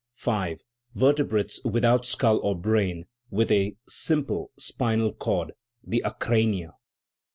V. Vertebrates without skull or brain, with a simple spinal cord: the acrania.